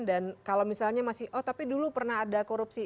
dan kalau misalnya masih oh tapi dulu pernah ada korupsi